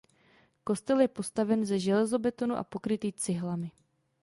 Kostel je postaven ze železobetonu a pokrytý cihlami.